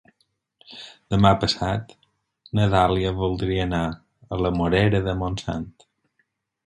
Demà passat na Dàlia voldria anar a la Morera de Montsant.